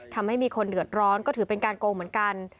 ทำให้มีคนเดือดร้อนก็ถือเป็นการโกงเหมือนกัน